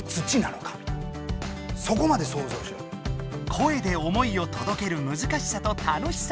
声で思いをとどけるむずかしさと楽しさ。